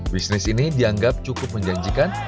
bisnis ini dianggap cukup menjanjikan